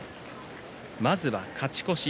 まずは勝ち越し。